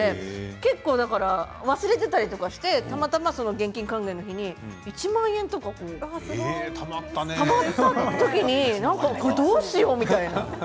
結構忘れていたりしてたまたま現金還元のときに１万円とかたまったときにこれ、どうしようって。